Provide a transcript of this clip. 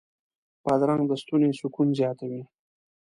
بادرنګ د ستوني سکون زیاتوي.